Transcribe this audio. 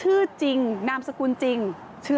แล้วตกลงเค้าเป็นคนที่ไหนแน่